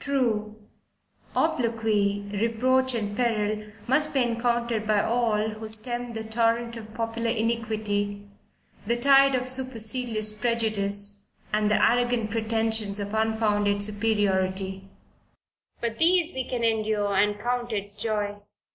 True obloquy, reproach, and peril, must be encountered by all who stem the torrent of popular iniquity, the tide of supercilious prejudice, and the arrogant pretensions of unfounded superiority; but these we can endure, and count it joy.